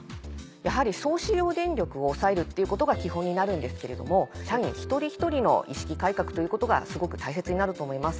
やはり総使用電力を抑えるっていうことが基本になるんですけれども社員一人一人の意識改革ということがすごく大切になると思います。